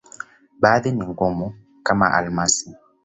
Baadhi ni ngumu, kama almasi.